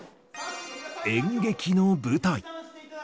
演劇の舞台。